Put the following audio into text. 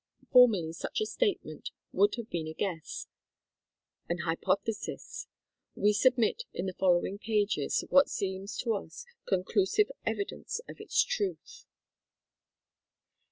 Formerly such a statement would have been a guess, an hypothesis. We submit in the following pages what seems to us conclusive evidence of its truth.